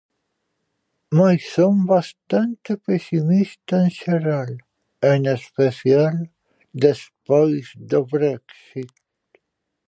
Mais son bastante pesimista en xeral e en especial despois do Bréxit.